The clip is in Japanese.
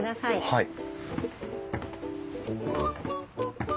はい。